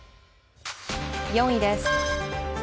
４位です。